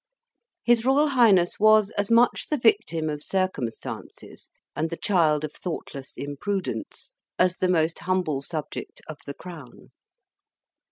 His Royal Highness was as much the victim of circumstances and the child of thoughtless imprudence as the most humble subject of the crown.